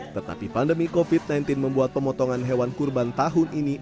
tetapi pandemi covid sembilan belas membuat pemotongan hewan kurban tahun ini